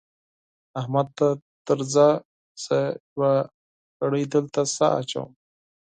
احمده ته درځه؛ زه يوه ګړۍ دلته سا اچوم.